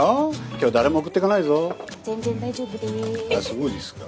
そうですか。